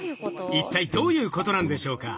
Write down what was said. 一体どういうことなんでしょうか？